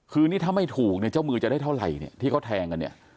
คือนี่ถ้าไม่ถูกเนี่ยเจ้ามือจะได้เท่าไหร่เนี่ยที่เขาแทงกันเนี่ย